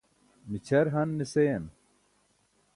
mićʰar han ne seyan